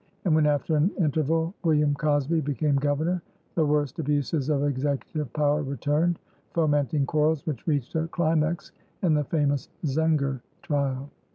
And when after an interval William Cosby became Governor, the worst abuses of executive power returned, fomenting quarrels which reached a climax in the famous Zenger trial.